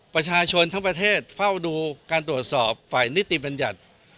ประชาชนทั้งประเทศเฝ้าดูการตรวจสอบฝ่ายนิติบัญญัติ